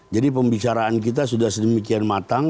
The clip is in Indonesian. jadi pembicaraan kita sudah sedemikian matang